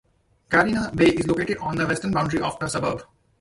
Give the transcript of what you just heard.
Carina Bay is located on the western boundary of the suburb.